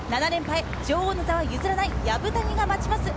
７連覇へ、女王の座は譲らない、薮谷が待ちます。